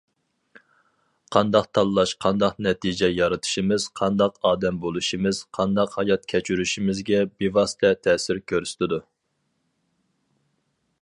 قانداق تاللاش قانداق نەتىجە يارىتىشىمىز، قانداق ئادەم بولۇشىمىز، قانداق ھايات كەچۈرۈشىمىزگە بىۋاسىتە تەسىر كۆرسىتىدۇ.